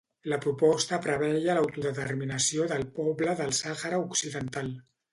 La proposta preveia l'autodeterminació del poble del Sàhara Occidental.